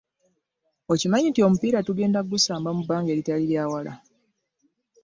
Okimanyi nti omupiira tugenda kugusamba mu banga eritali lyawala.